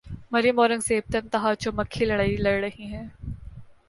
مریم اورنگزیب تن تنہا چو مکھی لڑائی لڑ رہی ہیں۔